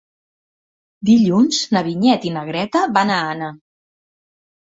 Dilluns na Vinyet i na Greta van a Anna.